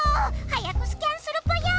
早くスキャンするぽよ！